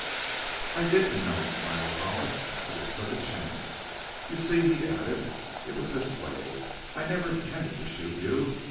"I didn't know," smiled Hollis. "I just took a chance. You see," he added, "it was this way. I never intended to shoot you.